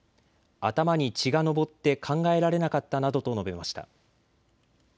頭に血が上って考えられなかったなどと述べました。